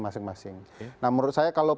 masing masing nah menurut saya kalau